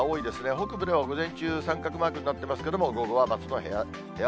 北部では午前中、三角マークになってますけども、午後は×の部屋